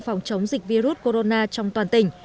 phòng chống dịch virus corona trong toàn tỉnh